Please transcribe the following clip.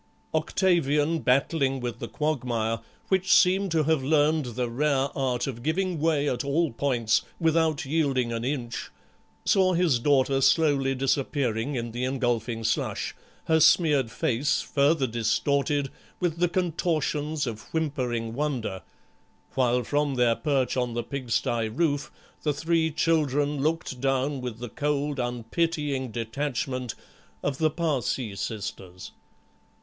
Octavian, battling with the quagmire, which seemed to have learned the rare art of giving way at all points without yielding an inch, saw his daughter slowly disappearing in the engulfing slush, her smeared face further distorted with the contortions of whimpering wonder, while from their perch on the pigsty roof the three children looked down with the cold unpitying detachment of the Parcæ Sisters.